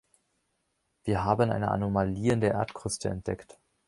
Wir haben eine Anomalie in der Erdkruste entdeckt.